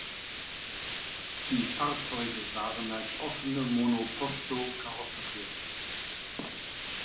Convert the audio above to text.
Die Fahrzeuge waren als offene Monoposto karosseriert.